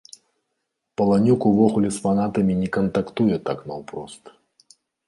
Паланюк увогуле з фанатамі не кантактуе так наўпрост.